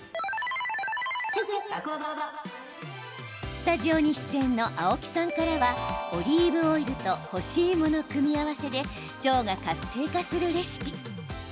スタジオに出演の青木さんからはオリーブオイルと干し芋の組み合わせで腸が活性化するレシピ。